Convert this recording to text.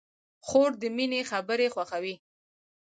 خور د مینې خبرې خوښوي.